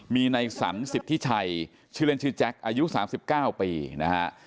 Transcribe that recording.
มีในสรรสิทธิชัยชื่อเล่นชื่อแจ๊คอายุ๓๙ปีนะฮะ